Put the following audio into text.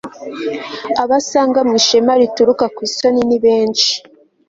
abasanga mu ishema rituruka ku isoni, nibenshi